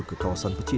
makanan yang repot